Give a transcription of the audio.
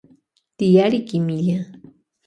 Tiyari kimilla.